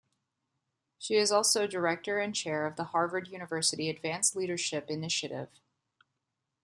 She is also director and chair of the Harvard University Advanced Leadership Initiative.